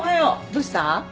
どうした？